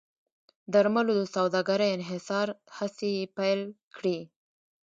درملو د سوداګرۍ انحصار هڅې یې پیل کړې.